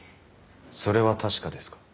それは確かですか？